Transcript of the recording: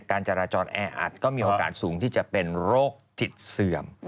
การจราจรแออัดก็มีโอกาสสูงที่จะเป็นโรคจิตเสื่อม